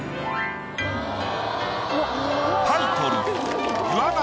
タイトル。